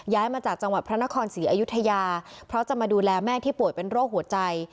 มาจากจังหวัดพระนครศรีอยุธยาเพราะจะมาดูแลแม่ที่ป่วยเป็นโรคหัวใจ